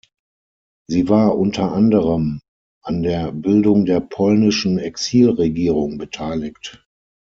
Sie war unter anderem an der Bildung der Polnischen Exilregierung beteiligt.